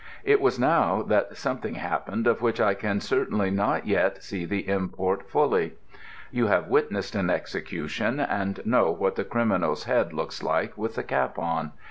It was now that something happened of which I can certainly not yet see the import fully. You have witnessed an execution, and know what the criminal's head looks like with the cap on.